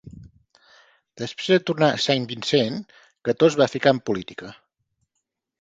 Després de tornar a Saint Vincent, Cato es va ficar en política.